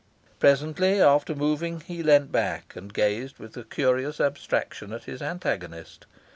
Presently, after moving, he leaned back and gazed with a curious abstraction at his antagonist.